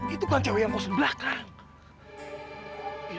itu kan cewek yang kos belakang